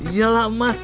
iya lah emas